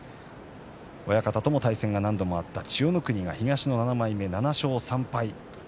親方とも対戦が何度もあった千代の国は東の７枚目、７勝３敗。